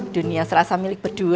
dunia serasa milik berdua